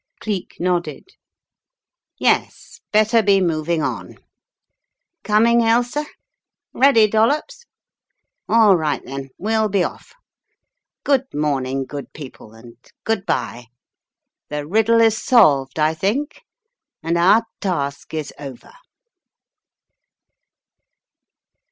Cleek nodded. "Yes, better be moving on. Coming, Ailsa? Ready, Dollops? All right, then, we'll be off. Good morning, good people, and good bye. The riddle is solved, I think, and our task is over."